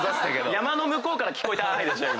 山の向こうから聞こえた「はい」